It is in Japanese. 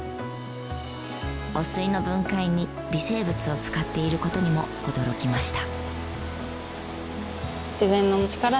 汚水の分解に微生物を使っている事にも驚きました。